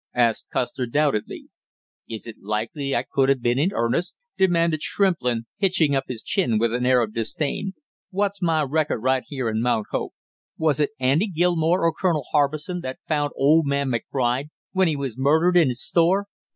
asked Custer doubtingly. "Is it likely I could have been in earnest?" demanded Shrimplin, hitching up his chin with an air of disdain. "What's my record right here in Mount Hope? Was it Andy Gilmore or Colonel Harbison that found old man McBride when he was murdered in his store?"